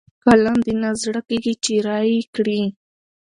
قلم دې نه زړه کېږي چې رايې کړئ.